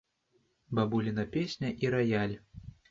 Бабуліна песня і раяль.